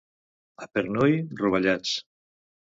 A Pernui, rovellats.